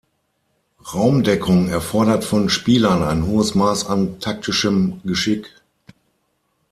Raumdeckung erfordert von Spielern ein hohes Maß an taktischem Geschick.